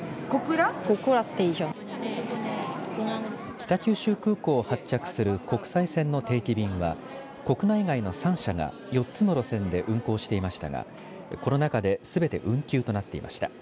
北九州空港を発着する国際線の定期便は国内外の３社が４つの路線で運航していましたがコロナ禍ですべて運休となっていました。